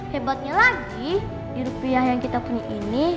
hebatnya lagi di rupiah yang kita punya ini